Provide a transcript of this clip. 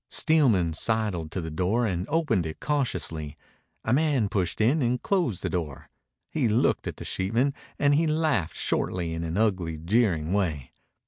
Steelman sidled to the door and opened it cautiously. A man pushed in and closed the door. He looked at the sheepman and he laughed shortly in an ugly, jeering way.